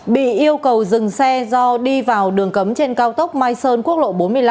bị yêu cầu dừng xe do đi vào đường cấm trên cao tốc mai sơn quốc lộ bốn mươi năm